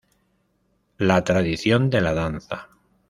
La tradición de la danza’’.